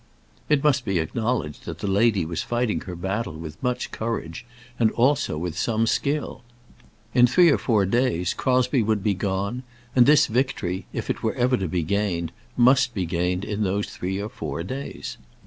It must be acknowledged that the lady was fighting her battle with much courage, and also with some skill. In three or four days Crosbie would be gone; and this victory, if it were ever to be gained, must be gained in those three or four days.